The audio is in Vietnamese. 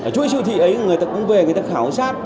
chuỗi siêu thị ấy người ta cũng về người ta khảo sát